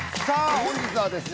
本日はですね